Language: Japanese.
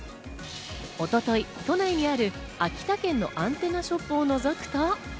一昨日、都内にある秋田県のアンテナショップをのぞくと。